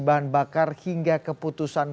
bahan bakar hingga keputusan